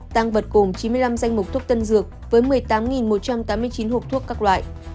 tăng vật gồm chín mươi năm danh mục thuốc tân dược với một mươi tám một trăm tám mươi chín hộp thuốc các loại